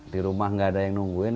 di rumah gak ada yang nungguin